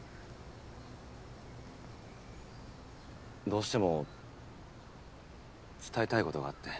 どうしても伝えたいことがあって。